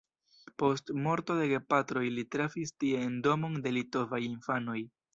Post morto de gepatroj li trafis tie en domon de litovaj infanoj.